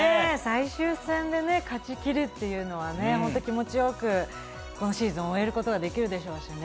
最終戦で勝ち切るというのは本当、気持ちよく今シーズンを終えることができるでしょうしね。